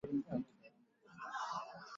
参加了湘鄂赣边区的游击战。